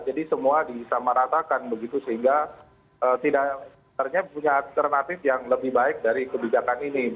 jadi semua disamaratakan begitu sehingga tidak ternyata punya alternatif yang lebih baik dari kebijakan ini